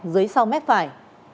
dưới sáu m phải